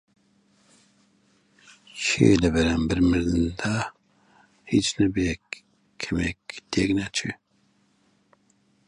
کێیە لە بەرانبەر مردندا هیچ نەبێ کەمێک تێک نەچێ؟